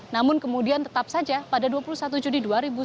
namun kemudian tetap saja pada dua puluh satu juni dua ribu sembilan belas